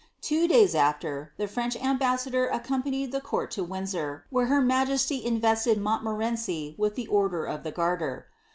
Two days after, the French ambassador accompanied the court to Windsor, where her majesty invested Montniorenci with the order of the Garter.